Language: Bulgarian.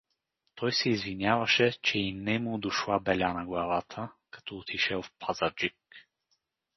Той се извиняваше, че и нему дошла беля на главата, като отишел в Пазарджик.